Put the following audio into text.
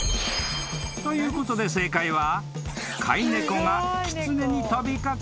［ということで正解は］